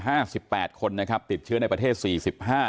สิบแปดคนนะครับติดเชื้อในประเทศสี่สิบห้า